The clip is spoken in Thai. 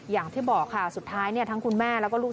อย่างที่บอกค่ะ